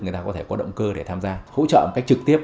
người ta có thể có động cơ để tham gia hỗ trợ một cách trực tiếp